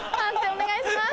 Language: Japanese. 判定お願いします。